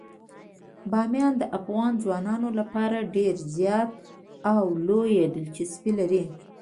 بامیان د افغان ځوانانو لپاره ډیره زیاته او لویه دلچسپي لري.